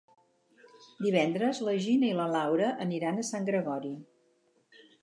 Divendres na Gina i na Laura aniran a Sant Gregori.